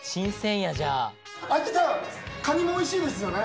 秋田カニもおいしいですよね。